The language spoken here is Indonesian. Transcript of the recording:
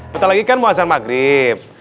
betul lagi kan muazzam maghrib